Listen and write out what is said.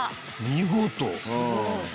見事。